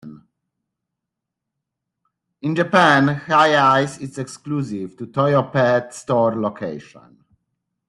In Japan the HiAce is exclusive to "Toyopet Store" locations.